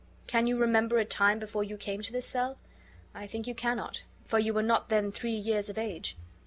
Can you remember a time before you came to this cell? I think you cannot, for you were not then three years of age."